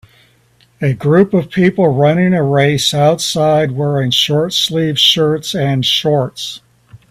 A group of people running a race outside wearing shortsleeve shirts and shorts.